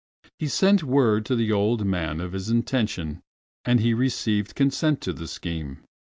He sent word to the old man of his intention, and he received consent to the scheme.